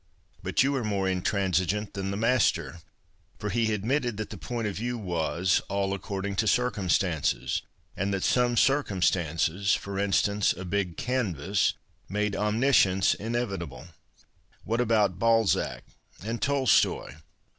Hut you are morr iiitr; insig(iif than the master. For he a(hnit ted 207 PASTICHE AND PREJUDICE that tlic point of view was all according to cir cumstances, and that some circumstances — for instance, a big canvas — made ' omniscience ' in evitable. What about Balzac and Tolstoy